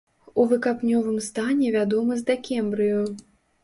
У выкапнёвым стане вядомы з дакембрыю.